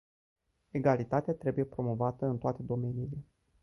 Egalitatea trebuie promovată în toate domeniile.